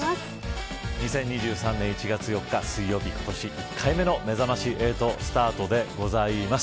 ２０２３年１月４日水曜日今年１回目のめざまし８スタートでございます。